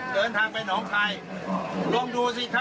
ก็ต้องมารถไปกระบวนทางหาข้าวกินค่ะ